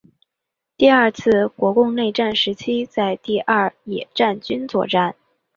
第二次国共内战时期在第二野战军作战。